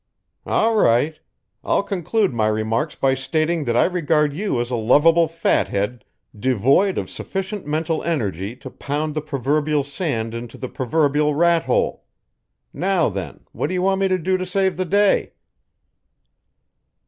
"All right. I'll conclude my remarks by stating that I regard you as a lovable fat head devoid of sufficient mental energy to pound the proverbial sand into the proverbial rat hole. Now, then, what do you want me to do to save the day?"